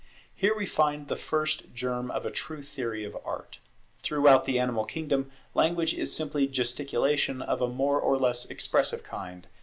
Here we find the first germ of a true theory of Art. Throughout the animal kingdom language is simply gesticulation of a more or less expressive kind.